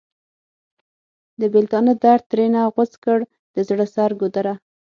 د بیلتانه درد ترېنه غوڅ کړ د زړه سر ګودره!